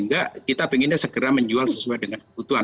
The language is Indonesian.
enggak kita pengennya segera menjual sesuai dengan kebutuhan